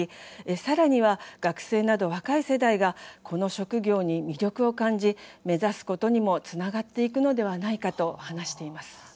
さらには学生など若い世代がこの職業に魅力を感じ目指すことにもつながっていくのではないかと話しています。